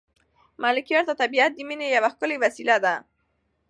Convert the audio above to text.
ملکیار ته طبیعت د مینې یوه ښکلې وسیله ده.